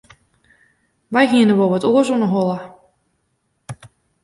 Wy hiene wol wat oars oan 'e holle.